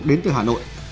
đến từ hà nội